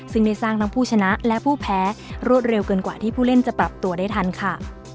ซึ่งได้สร้างทั้งผู้ชนะและผู้แพ้รวดเร็วเกินกว่าที่ผู้เล่นจะปรับตัวได้ทันค่ะ